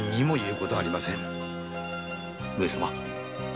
上様。